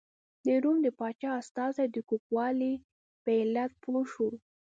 د روم د پاچا استازی د کوږوالي په علت پوه شو.